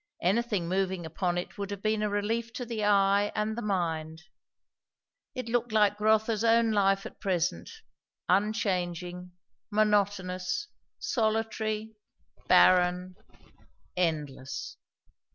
Anything moving upon it would have been a relief to the eye and the mind; it looked like Rotha's own life at present, unchanging, Monotonous, solitary, barren, endless.